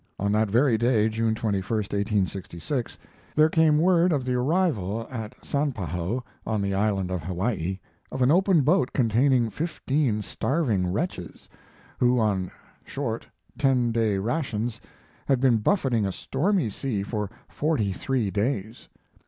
On that very day (June 21, 1866) there came word of the arrival at Sanpahoe, on the island of Hawaii, of an open boat containing fifteen starving wretches, who on short, ten day rations had been buffeting a stormy sea for forty three days!